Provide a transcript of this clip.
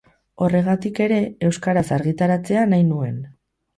Horregatik ere euskaraz argitaratzea nahi nuen.